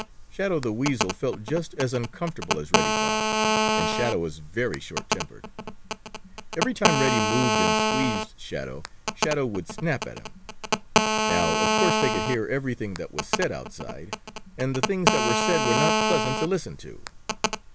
Shadow the Weasel felt just as uncomfortable as Reddy Fox, and Shadow is very short tempered. Every time Reddy moved and squeezed Shadow, Shadow would snap at him. Now, of course, they could hear everything that was said outside, and the things that were said were not pleasant to listen to.